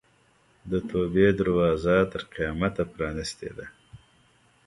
د توبې دروازه تر قیامته پرانستې ده.